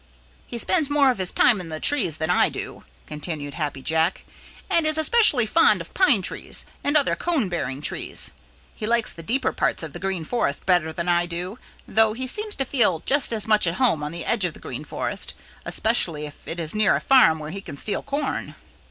"He spends more of his time in the trees than I do," continued Happy Jack, "and is especially fond of pine trees and other cone bearing trees. He likes the deeper parts of the Green Forest better than I do, though he seems to feel just as much at home on the edge of the Green Forest, especially if it is near a farm where he can steal corn."